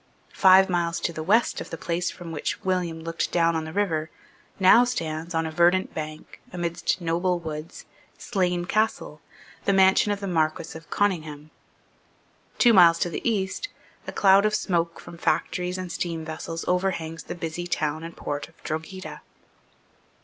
Five miles to the west of the place from which William looked down on the river, now stands, on a verdant bank, amidst noble woods, Slane Castle, the mansion of the Marquess of Conyngham. Two miles to the east, a cloud of smoke from factories and steam vessels overhangs the busy town and port of Drogheda.